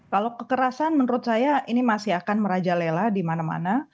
kalau kekerasan menurut saya ini masih akan merajalela di mana mana